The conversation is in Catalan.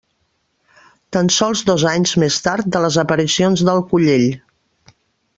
Tan sols dos anys més tard de les aparicions del Collell.